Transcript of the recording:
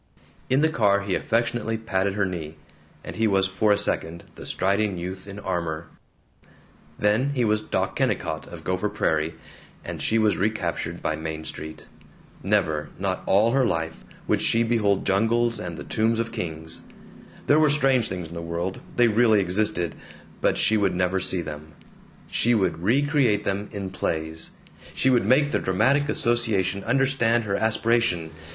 In the car he affectionately patted her knee, and he was for a second the striding youth in armor; then he was Doc Kennicott of Gopher Prairie, and she was recaptured by Main Street. Never, not all her life, would she behold jungles and the tombs of kings. There were strange things in the world, they really existed; but she would never see them. She would recreate them in plays! She would make the dramatic association understand her aspiration.